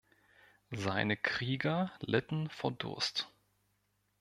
Seine Krieger litten vor Durst.